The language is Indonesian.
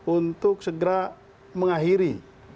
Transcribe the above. untuk segera mengakhiri